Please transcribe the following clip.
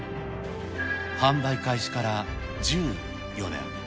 販売開始から１４年。